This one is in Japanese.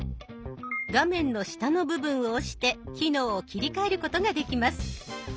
画面の下の部分を押して機能を切り替えることができます。